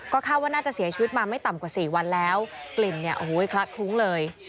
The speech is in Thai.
คาดว่าน่าจะเสียชีวิตมาไม่ต่ำกว่าสี่วันแล้วกลิ่นเนี่ยโอ้โหคละคลุ้งเลย